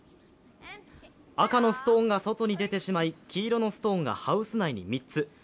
赤のストーンが外に出てしまい、黄色のストーンがハウス内に３つ。